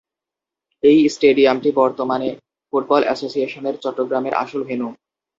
এই স্টেডিয়ামটি বর্তমানে ফুটবল এসোসিয়েশনের চট্টগ্রামের আসল ভেন্যু।